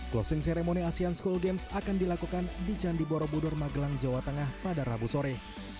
closing ceremony asean school games akan dilakukan di candi borobudur magelang jawa tengah pada rabu sore